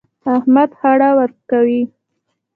احمد خړه ورکوي.